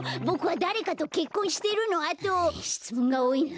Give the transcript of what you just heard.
しつもんがおおいな。